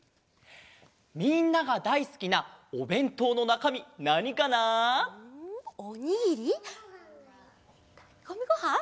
みんながだいすきなおべんとうのなかみなにかな？んおにぎり？たきこみごはん！